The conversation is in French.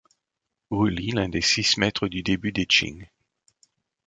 Wu Li, l'un des Six Maîtres du début des Qing.